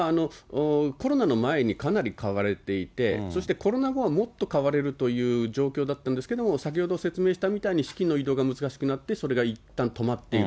コロナの前にかなり買われていて、そしてコロナ後はもっと買われるという状況だったんですけど、先ほど説明したみたいに資金の移動が難しくなって、それがいったん止まっている。